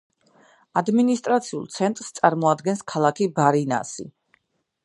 ადმინისტრაციულ ცენტრს წარმოადგენს ქალაქი ბარინასი.